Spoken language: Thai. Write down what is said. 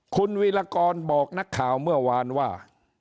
คุณวีรกรบอกนักข่าวเมื่อวานว่า